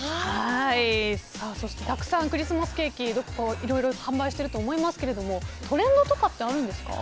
そしてたくさんクリスマスケーキいろいろ販売していると思いますけどトレンドとかってあるんですか？